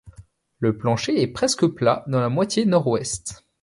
Le plancher est presque plat dans la moitié nord-ouest.